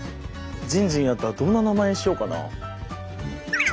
じんじんやったらどんな名前にしようかなあ？